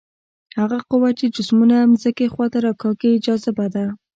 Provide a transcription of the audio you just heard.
هغه قوه چې جسمونه ځمکې خواته راکاږي جاذبه ده.